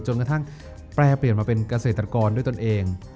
จนกระทั่งแปรเปลี่ยนมาเป็นเกษตรกรด้วยตนเอง